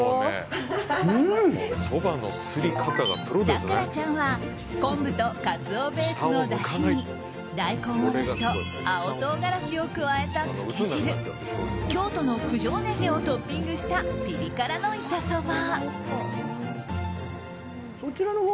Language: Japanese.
咲楽ちゃんは昆布とカツオベースのだしに大根おろしと青唐辛子を加えたつけ汁京都の九条ネギをトッピングしたピリ辛のイタソバ。